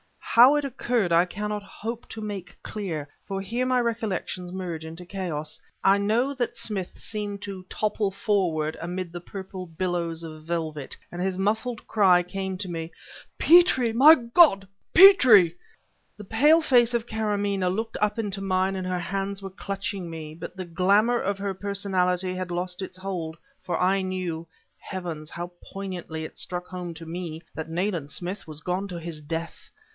How it occurred I cannot hope to make dear, for here my recollections merge into a chaos. I know that Smith seemed to topple forward amid the purple billows of velvet, and his muffled cry came to me: "Petrie! My God, Petrie!"... The pale face of Karamaneh looked up into mine and her hands were clutching me, but the glamour of her personality had lost its hold, for I knew heavens, how poignantly it struck home to me! that Nayland Smith was gone to his death.